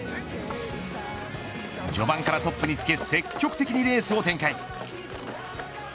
序盤からトップにつけ積極的にレースを展開。